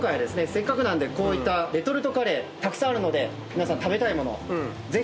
せっかくなんでこういったレトルトカレーたくさんあるので皆さん。